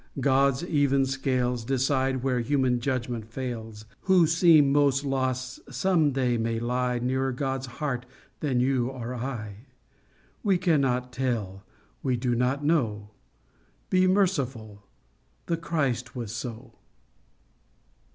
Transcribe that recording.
God's even scales Decide where human judgment fails : Who seem most lost, some day may lie Nearer God's heart than you or I ; We cannot tell, we do not know : Be merciful. The Christ was so.